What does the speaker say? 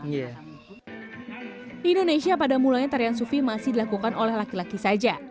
di indonesia pada mulanya tarian sufi masih dilakukan oleh laki laki saja